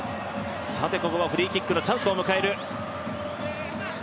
さてここはフリーキックのチャンスを迎える。